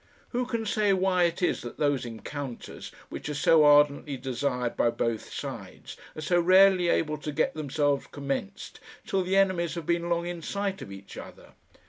Who can say why it is that those encounters, which are so ardently desired by both sides, are so rarely able to get themselves commenced till the enemies have been long in sight of each other?